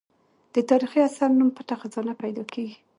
د تاریخي اثر نوم پټه خزانه پیدا کېږي.